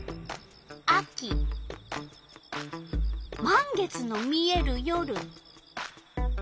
満月の見える夜。